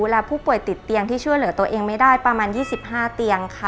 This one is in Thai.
และผู้ป่วยติดเตียงที่ช่วยเหลือตัวเองไม่ได้ประมาณ๒๕เตียงค่ะ